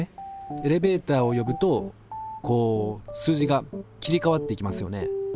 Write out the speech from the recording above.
エレベーターを呼ぶとこう数字が切り替わっていきますよね。